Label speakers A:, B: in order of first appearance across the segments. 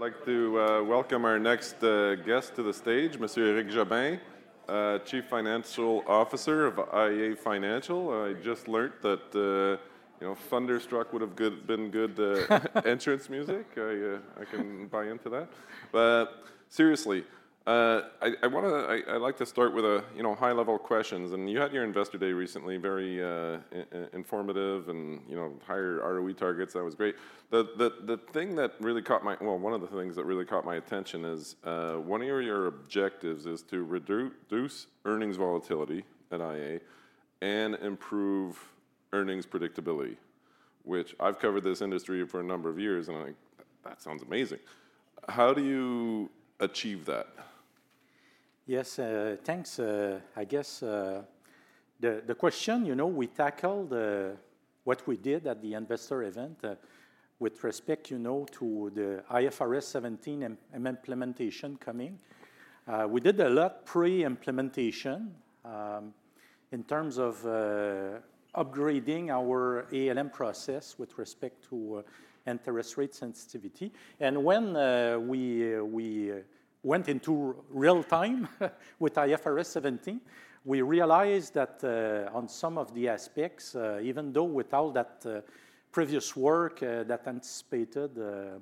A: I'd like to welcome our next guest to the stage, Mr. Éric Jobin, Chief Financial Officer of iA Financial. I just learned that Thunderstruck would have been good entrance music. I can buy into that. Seriously, I'd like to start with high-level questions. You had your Investor Day recently, very informative and higher ROE targets. That was great. The thing that really caught my—well, one of the things that really caught my attention is one of your objectives is to reduce earnings volatility at iA and improve earnings predictability, which I've covered this industry for a number of years, and I'm like, that sounds amazing. How do you achieve that?
B: Yes, thanks. I guess the question, you know, we tackled what we did at the Investor event with respect to the IFRS 17 implementation coming. We did a lot pre-implementation in terms of upgrading our ALM process with respect to interest rate sensitivity. When we went into real time with IFRS 17, we realized that on some of the aspects, even though with all that previous work that anticipated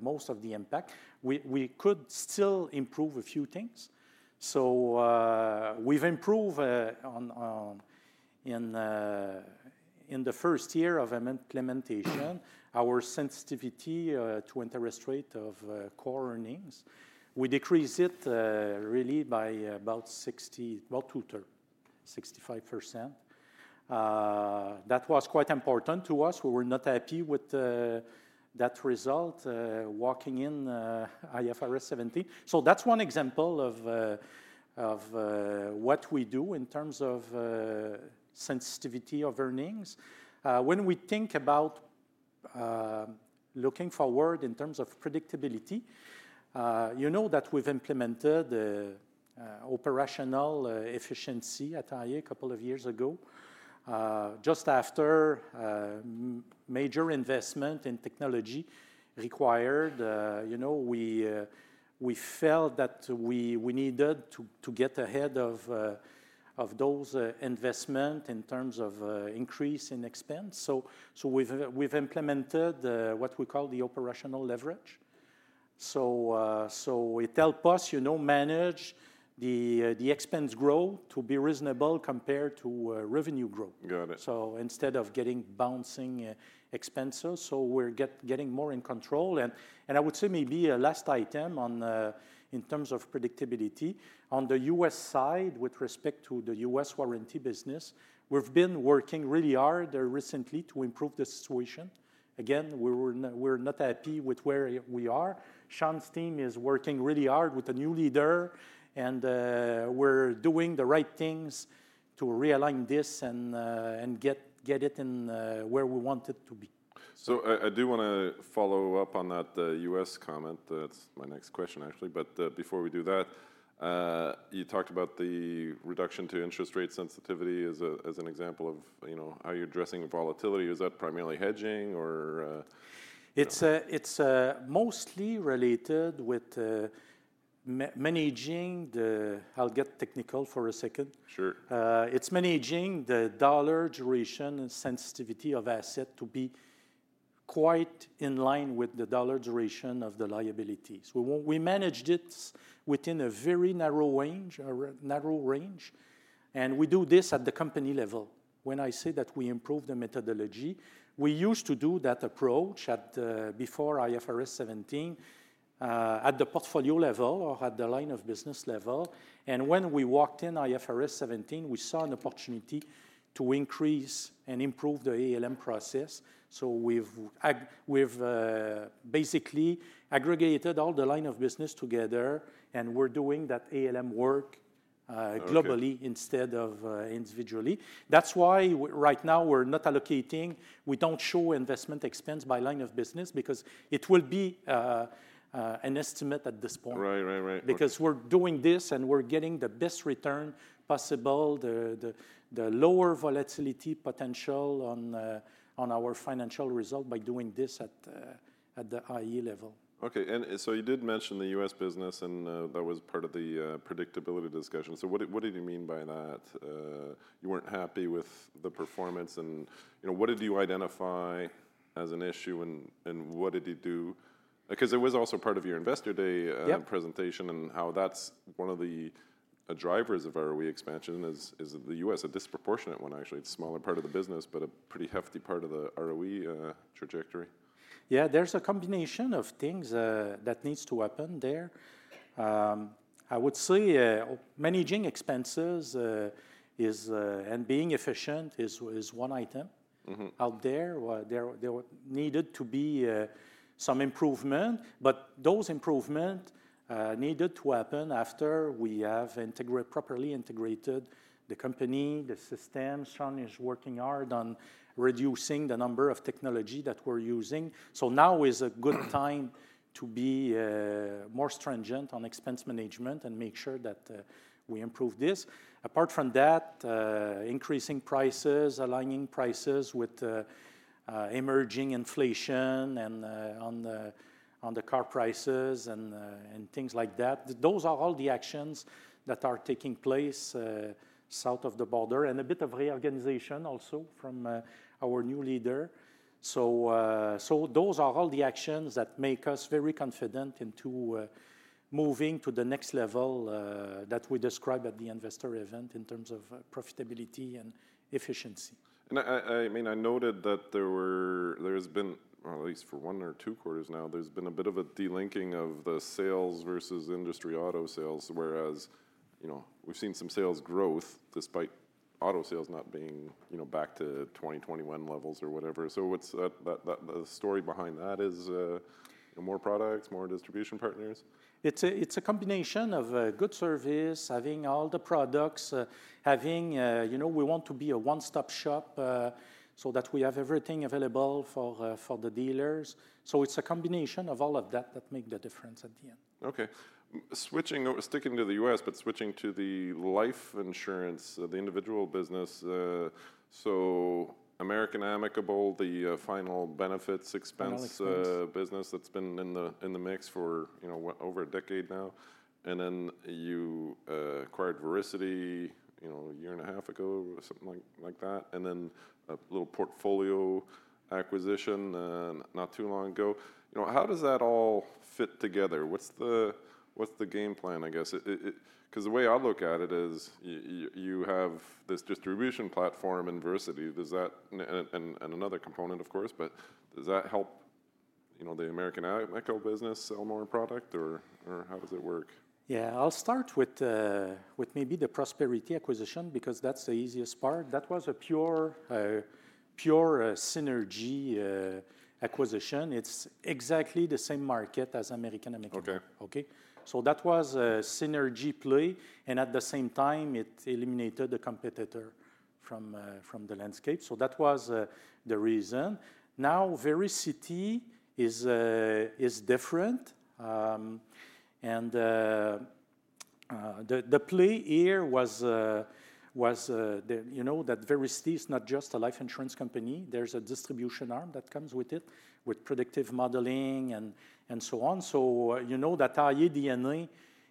B: most of the impact, we could still improve a few things. We have improved in the first year of implementation our sensitivity to interest rate of core earnings. We decreased it really by about 60%, about 2/3 65%. That was quite important to us. We were not happy with that result walking in IFRS 17. That is one example of what we do in terms of sensitivity of earnings. When we think about looking forward in terms of predictability, you know that we've implemented operational efficiency at iA a couple of years ago. Just after major investment in technology required, we felt that we needed to get ahead of those investments in terms of increase in expense. We have implemented what we call the operational leverage. It helps us manage the expense growth to be reasonable compared to revenue growth.
A: Got it.
B: Instead of getting bouncing expenses, we're getting more in control. I would say maybe a last item in terms of predictability. On the U.S. side, with respect to the U.S. Warranty Business, we've been working really hard recently to improve the situation. Again, we're not happy with where we are. Sean's team is working really hard with a new leader, and we're doing the right things to realign this and get it where we want it to be.
A: I do want to follow up on that U.S. comment. That's my next question, actually. Before we do that, you talked about the reduction to interest rate sensitivity as an example of how you're addressing volatility. Is that primarily hedging or?
B: It's mostly related with managing the—I'll get technical for a second.
A: Sure.
B: It's managing the dollar duration and sensitivity of asset to be quite in line with the dollar duration of the liabilities. We managed it within a very narrow range, a narrow range. We do this at the company level. When I say that we improved the methodology, we used to do that approach before IFRS 17 at the portfolio level or at the line of business level. When we walked in IFRS 17, we saw an opportunity to increase and improve the ALM process. We've basically aggregated all the line of business together, and we're doing that ALM work globally instead of individually. That's why right now we're not allocating; we don't show investment expense by line of business because it will be an estimate at this point.
A: Right, right, right.
B: Because we're doing this and we're getting the best return possible, the lower volatility potential on our financial result by doing this at the iA level.
A: Okay. You did mention the U.S. business, and that was part of the predictability discussion. What did you mean by that? You were not happy with the performance. What did you identify as an issue, and what did you do? It was also part of your Investor Day presentation and how that is one of the drivers of ROE expansion, the U.S., a disproportionate one, actually. It is a smaller part of the business, but a pretty hefty part of the ROE trajectory.
B: Yeah, there's a combination of things that needs to happen there. I would say managing expenses and being efficient is one item out there. There needed to be some improvement, but those improvements needed to happen after we have properly integrated the company, the system. Sean is working hard on reducing the number of technology that we're using. Now is a good time to be more stringent on expense management and make sure that we improve this. Apart from that, increasing prices, aligning prices with emerging inflation and on the car prices and things like that. Those are all the actions that are taking place south of the border and a bit of reorganization also from our new leader. Those are all the actions that make us very confident into moving to the next level that we described at the Investor event in terms of profitability and efficiency.
A: I mean, I noted that there has been, at least for one or two quarters now, there's been a bit of a delinking of the sales versus industry auto sales, whereas we've seen some sales growth despite auto sales not being back to 2021 levels or whatever. The story behind that is more products, more distribution partners?
B: It's a combination of good service, having all the products, having we want to be a one-stop shop so that we have everything available for the dealers. It is a combination of all of that that makes the difference at the end.
A: Okay. Sticking to the U.S., but switching to the life insurance, the individual business. American Amicable, the final benefits expense business, that's been in the mix for over a decade now. You acquired Vericity a year and a half ago, something like that. Then a little portfolio acquisition not too long ago. How does that all fit together? What's the game plan, I guess? The way I look at it is you have this distribution platform in Vericity. Another component, of course, but does that help the American Amicable business sell more product, or how does it work?
B: Yeah, I'll start with maybe the Prosperity acquisition because that's the easiest part. That was a pure synergy acquisition. It's exactly the same market as American Amicable.
A: Okay.
B: Okay? That was a synergy play. At the same time, it eliminated the competitor from the landscape. That was the reason. Now, Vericity is different. The play here was that Vericity is not just a life insurance company. There is a distribution arm that comes with it with predictive modeling and so on. You know that iA DNA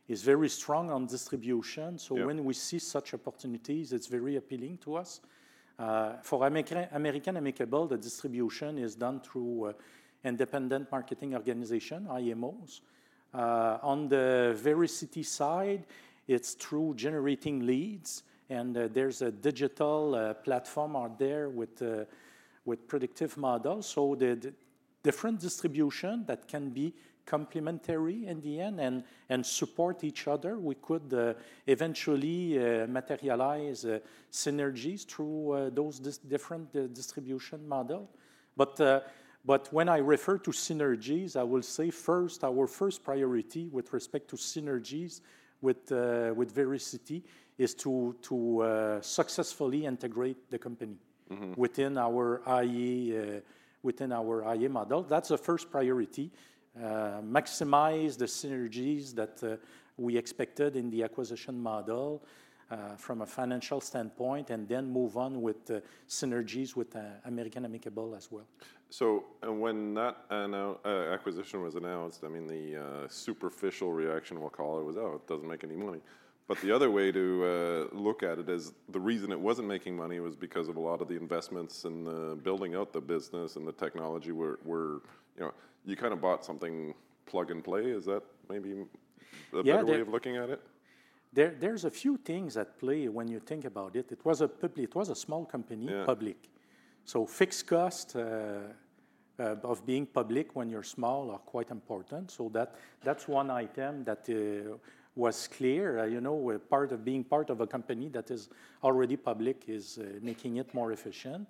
B: is very strong on distribution. When we see such opportunities, it is very appealing to us. For American Amicable, the distribution is done through independent marketing organizations, IMOs. On the Vericity side, it is through generating leads. There is a digital platform out there with predictive models. The different distribution that can be complementary in the end and support each other, we could eventually materialize synergies through those different distribution models. When I refer to synergies, I will say first, our first priority with respect to synergies with Vericity is to successfully integrate the company within our iA model. That's the first priority: maximize the synergies that we expected in the acquisition model from a financial standpoint, and then move on with synergies with American Amicable as well.
A: When that acquisition was announced, I mean, the superficial reaction we'll call it was, oh, it doesn't make any money. The other way to look at it is the reason it wasn't making money was because of a lot of the investments and building out the business and the technology. You kind of bought something plug and play. Is that maybe a better way of looking at it?
B: Yeah. There's a few things at play when you think about it. It was a small company. Public. So fixed cost of being public when you're small are quite important. That was one item that was clear. Part of being part of a company that is already public is making it more efficient.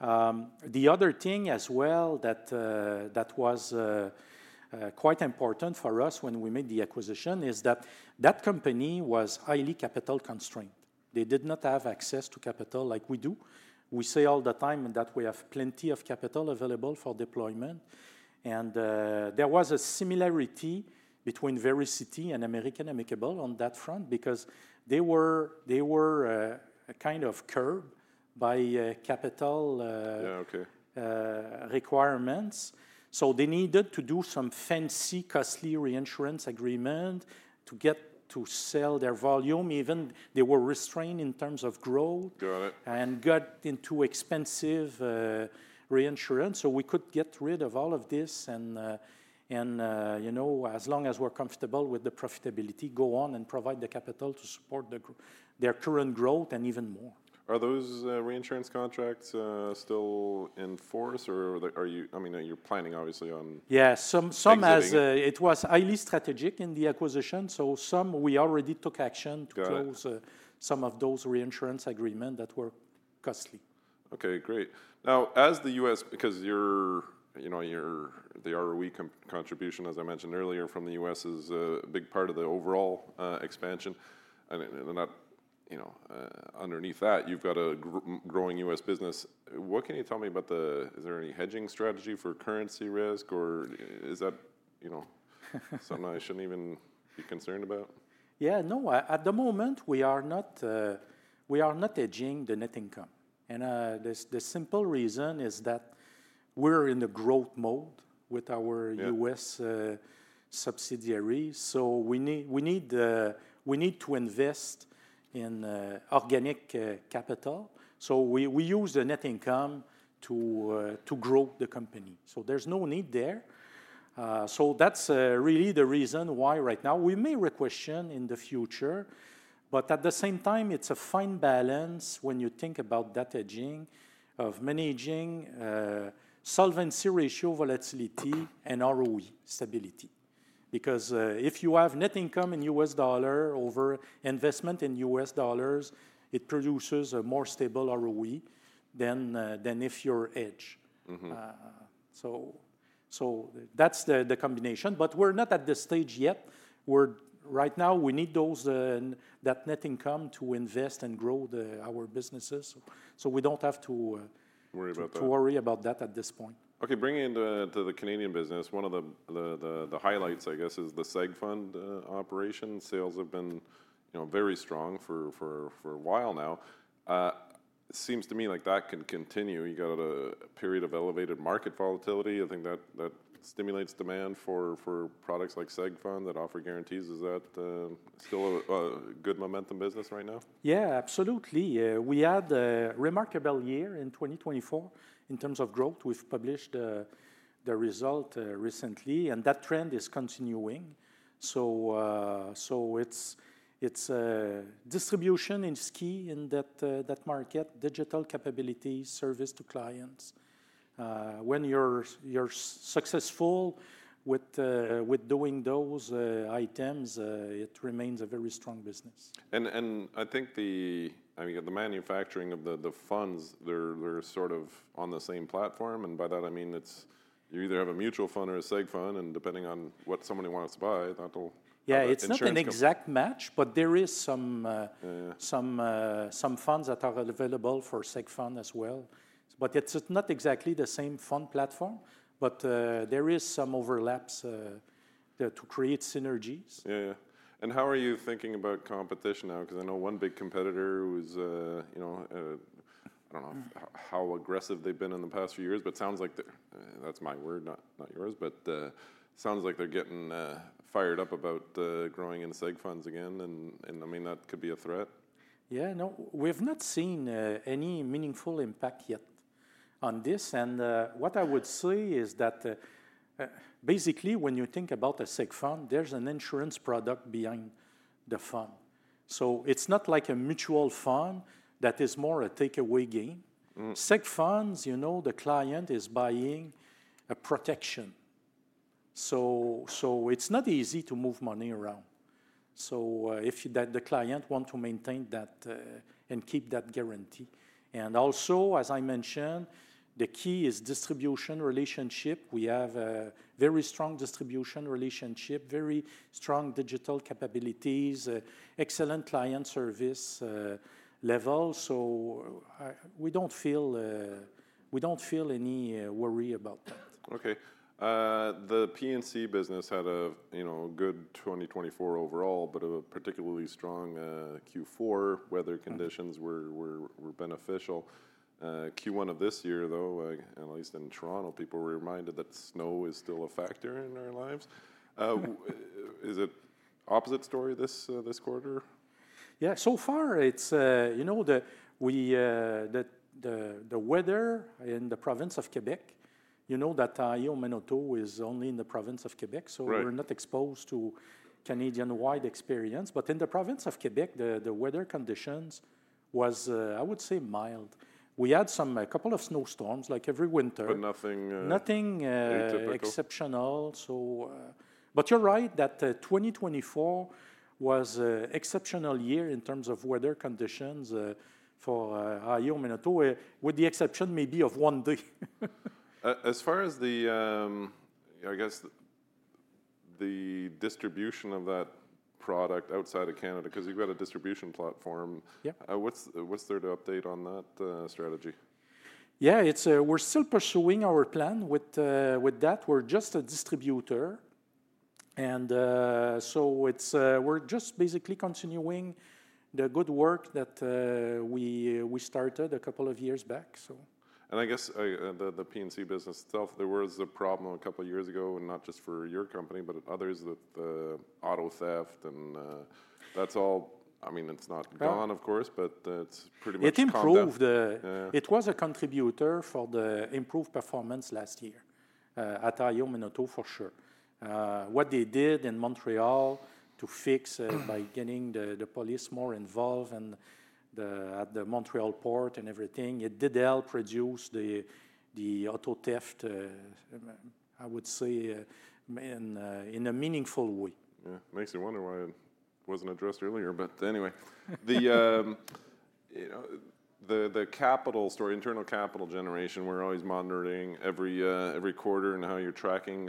B: The other thing as well that was quite important for us when we made the acquisition is that that company was highly capital constrained. They did not have access to capital like we do. We say all the time that we have plenty of capital available for deployment. There was a similarity between Vericity and American Amicable on that front because they were kind of curbed by capital requirements. They needed to do some fancy, costly reinsurance agreement to get to sell their volume. Even they were restrained in terms of growth and got into expensive reinsurance. We could get rid of all of this. As long as we're comfortable with the profitability, go on and provide the capital to support their current growth and even more.
A: Are those reinsurance contracts still in force, or are you planning obviously on?
B: Yeah, some as it was highly strategic in the acquisition. Some we already took action to close, some of those reinsurance agreements that were costly.
A: Okay, great. Now, as the U.S., because the ROE contribution, as I mentioned earlier, from the U.S. is a big part of the overall expansion. Underneath that, you've got a growing U.S. business. What can you tell me about the is there any hedging strategy for currency risk, or is that something I shouldn't even be concerned about?
B: Yeah, no. At the moment, we are not hedging the net income. The simple reason is that we're in a growth mode with our U.S. subsidiaries. We need to invest in organic capital. We use the net income to grow the company. There's no need there. That's really the reason why right now we may requestion in the future. At the same time, it's a fine balance when you think about that hedging of managing solvency ratio volatility and ROE stability. If you have net income in U.S. dollars over investment in U.S. dollars, it produces a more stable ROE than if you're hedged. That's the combination. We're not at the stage yet. Right now, we need that net income to invest and grow our businesses. We don't have to worry about that at this point.
A: Okay. Bringing into the Canadian business, one of the highlights, I guess, is the SEG Fund operation. Sales have been very strong for a while now. It seems to me like that can continue. You got a period of elevated market volatility. I think that stimulates demand for products like SEG Fund that offer guarantees. Is that still a good momentum business right now?
B: Yeah, absolutely. We had a remarkable year in 2024 in terms of growth. We've published the result recently, and that trend is continuing. Distribution is key in that market, digital capabilities, service to clients. When you're successful with doing those items, it remains a very strong business.
A: I think the manufacturing of the funds, they're sort of on the same platform. By that, I mean you either have a mutual fund or a SEG Fund. Depending on what somebody wants to buy, that'll make a difference.
B: Yeah, it's not an exact match, but there are some funds that are available for SEG Fund as well. It's not exactly the same fund platform, but there are some overlaps to create synergies.
A: Yeah, yeah. How are you thinking about competition now? Because I know one big competitor who's, I do not know how aggressive they've been in the past few years, but it sounds like—that's my word, not yours—it sounds like they're getting fired up about growing in SEG Funds again. I mean, that could be a threat.
B: Yeah, no. We've not seen any meaningful impact yet on this. What I would say is that basically, when you think about a SEG Fund, there's an insurance product behind the fund. It's not like a mutual fund that is more a takeaway game. SEG Funds, you know the client is buying a protection. It's not easy to move money around. The client wants to maintain that and keep that guarantee. Also, as I mentioned, the key is distribution relationship. We have a very strong distribution relationship, very strong digital capabilities, excellent client service level. We don't feel any worry about that.
A: Okay. The P&C business had a good 2024 overall, but a particularly strong Q4. Weather conditions were beneficial. Q1 of this year, though, at least in Toronto, people were reminded that snow is still a factor in our lives. Is it the opposite story this quarter?
B: Yeah, so far, you know the weather in the province of Quebec, you know that [Roi-Manitou] is only in the province of Quebec. We are not exposed to Canadian-wide experience. In the province of Quebec, the weather conditions was, I would say, mild. We had a couple of snowstorms like every winter.
A: Nothing exceptional.
B: Nothing exceptional. You're right that 2024 was an exceptional year in terms of weather conditions for [Roi-Manitou], with the exception maybe of one day.
A: As far as the, I guess, the distribution of that product outside of Canada, because you've got a distribution platform, what's there to update on that strategy?
B: Yeah, we're still pursuing our plan with that. We're just a distributor. And so we're just basically continuing the good work that we started a couple of years back.
A: I guess the P&C business itself, there was a problem a couple of years ago, not just for your company, but others, the auto theft. I mean, it's not gone, of course, but it's pretty much gone.
B: It improved. It was a contributor for the improved performance last year at [Roi-Manitou], for sure. What they did in Montreal to fix by getting the police more involved at the Montreal port and everything, it did help reduce the auto theft, I would say, in a meaningful way.
A: Yeah. Makes me wonder why it wasn't addressed earlier. Anyway, the capital story, internal capital generation, we're always monitoring every quarter and how you're tracking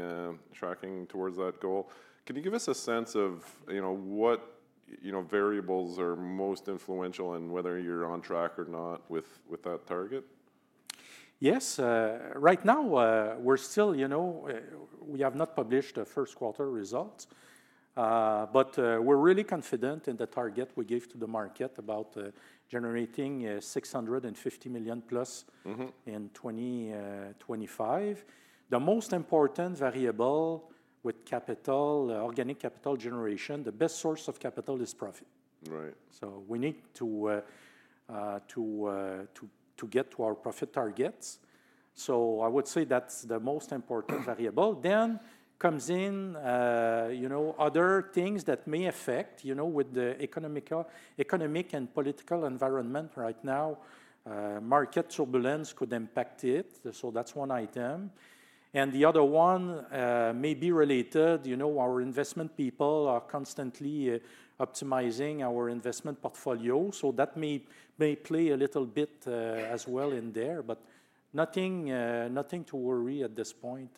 A: towards that goal. Can you give us a sense of what variables are most influential in whether you're on track or not with that target?
B: Yes. Right now, we're still, you know, we have not published the first quarter results. We are really confident in the target we gave to the market about generating $650 million plus in 2025. The most important variable with capital, organic capital generation, the best source of capital is profit.
A: Right.
B: We need to get to our profit targets. I would say that's the most important variable. Then comes in other things that may affect with the economic and political environment right now. Market turbulence could impact it. That's one item. The other one may be related. Our investment people are constantly optimizing our investment portfolio. That may play a little bit as well in there. Nothing to worry at this point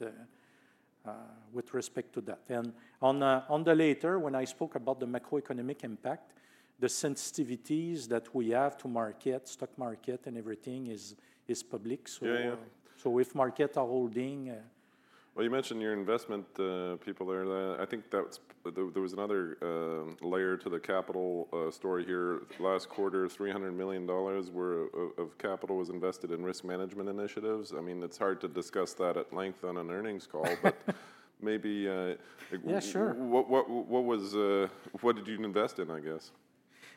B: with respect to that. On the later, when I spoke about the macroeconomic impact, the sensitivities that we have to market, stock market, and everything is public. If markets are holding.
A: You mentioned your investment people there. I think there was another layer to the capital story here. Last quarter, $300 million of capital was invested in risk management initiatives. I mean, it's hard to discuss that at length on an earnings call, but maybe what did you invest in, I guess?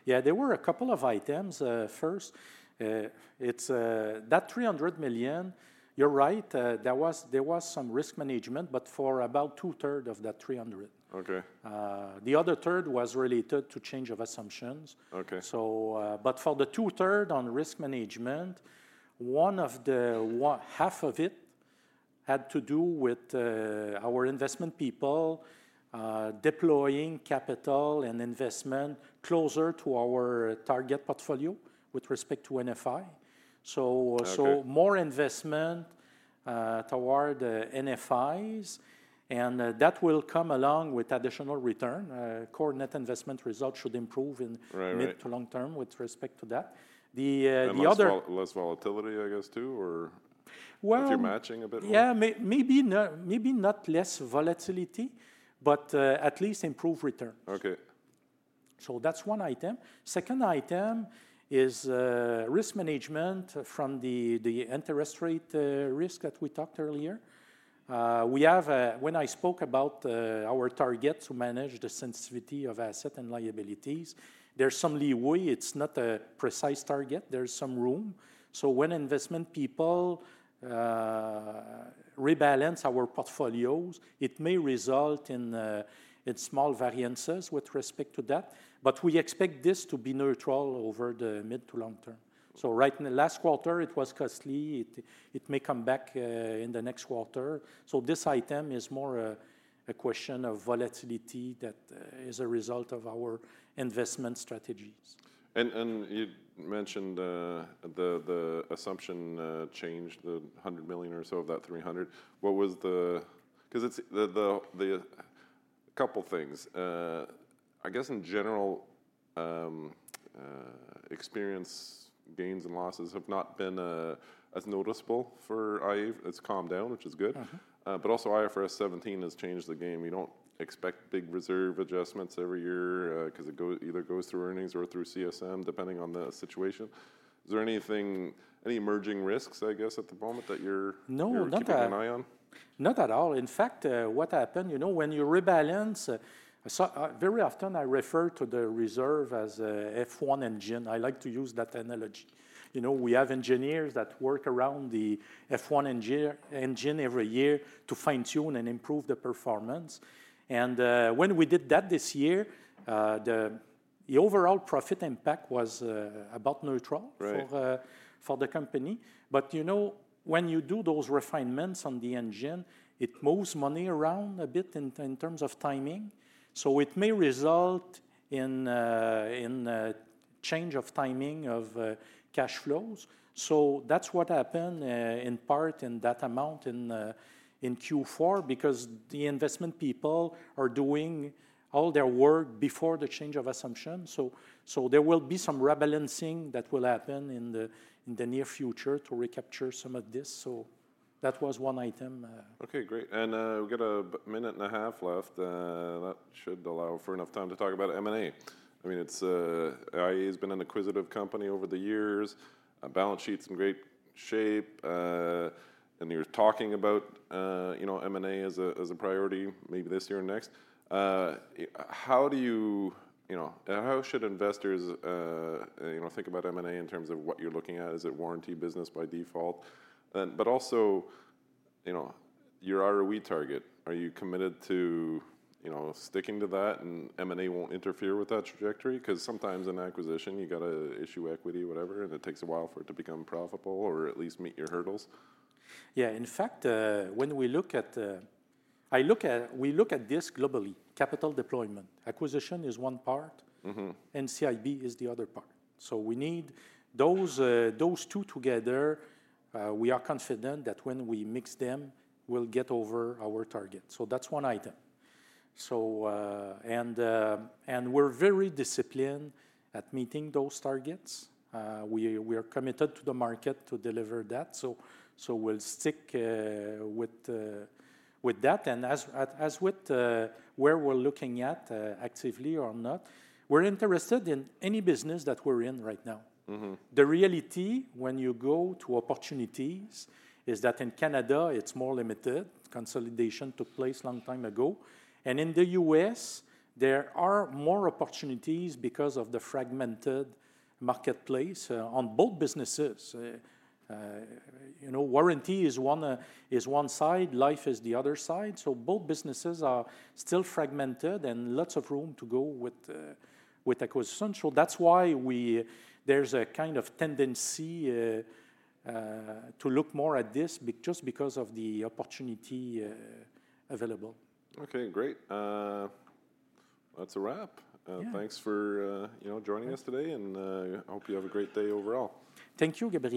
B: Yeah, there were a couple of items. First, that $300 million, you're right, there was some risk management, but for about 2/3 of that $300.
A: Okay.
B: The other third was related to change of assumptions.
A: Okay.
B: For the 2/3 on risk management, half of it had to do with our investment people deploying capital and investment closer to our target portfolio with respect to NFI. More investment toward NFIs will come along with additional return. Core net investment results should improve in the mid to long term with respect to that.
A: Less volatility, I guess, too, or if you're matching a bit more?
B: Yeah, maybe not less volatility, but at least improved returns.
A: Okay.
B: That's one item. Second item is risk management from the interest rate risk that we talked earlier. When I spoke about our target to manage the sensitivity of assets and liabilities, there's some leeway. It's not a precise target. There's some room. When investment people rebalance our portfolios, it may result in small variances with respect to that. We expect this to be neutral over the mid to long term. Last quarter, it was costly. It may come back in the next quarter. This item is more a question of volatility that is a result of our investment strategies.
A: You mentioned the assumption changed, the $100 million or so of that $300. Because a couple of things. I guess in general, experience gains and losses have not been as noticeable for iA. It's calmed down, which is good. Also, IFRS 17 has changed the game. We don't expect big reserve adjustments every year because it either goes through earnings or through CSM, depending on the situation. Is there any emerging risks, I guess, at the moment that you're keeping an eye on?
B: No, not at all. In fact, what happened, you know when you rebalance, very often I refer to the reserve as an F1 engine. I like to use that analogy. We have engineers that work around the F1 engine every year to fine-tune and improve the performance. When we did that this year, the overall profit impact was about neutral for the company. When you do those refinements on the engine, it moves money around a bit in terms of timing. It may result in change of timing of cash flows. That is what happened in part in that amount in Q4 because the investment people are doing all their work before the change of assumption. There will be some rebalancing that will happen in the near future to recapture some of this. That was one item.
A: Okay, great. We've got a minute and a half left. That should allow for enough time to talk about M&A. I mean, iA has been an acquisitive company over the years. Balance sheet's in great shape. You're talking about M&A as a priority maybe this year and next. How should investors think about M&A in terms of what you're looking at? Is it a warranty business by default? Also, your ROE target, are you committed to sticking to that and M&A will not interfere with that trajectory? Because sometimes in acquisition, you've got to issue equity, whatever, and it takes a while for it to become profitable or at least meet your hurdles.
B: Yeah. In fact, when we look at this globally, capital deployment, acquisition is one part, and CIB is the other part. We need those two together. We are confident that when we mix them, we'll get over our target. That's one item. We are very disciplined at meeting those targets. We are committed to the market to deliver that. We'll stick with that. As with where we're looking at actively or not, we're interested in any business that we're in right now. The reality, when you go to opportunities, is that in Canada, it's more limited. Consolidation took place a long time ago. In the U.S., there are more opportunities because of the fragmented marketplace on both businesses. Warranty is one side. Life is the other side. Both businesses are still fragmented and lots of room to go with acquisition. That's why there's a kind of tendency to look more at this just because of the opportunity available.
A: Okay, great. That's a wrap. Thanks for joining us today. I hope you have a great day overall.
B: Thank you, Gabriel.